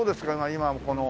今この。